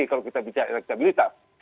kalau kita bicara elektabilitas